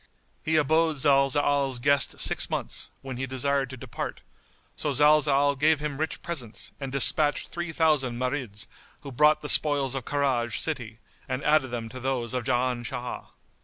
He abode Zalzal's guest six months, when he desired to depart; so Zalzal gave him rich presents and despatched three thousand Marids, who brought the spoils of Karaj city and added them to those of Jan Shah.